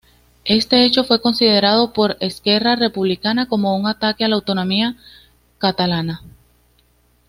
Este hecho fue considerado por Esquerra Republicana como un ataque a la autonomía catalana.